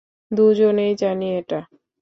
দুজনেই জানি এটা।